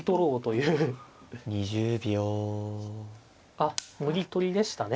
あっもぎ取りでしたね。